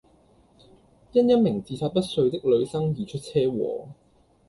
因一名自殺不遂的女生而出車禍